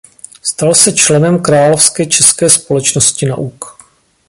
Stal se členem královské české společnosti nauk.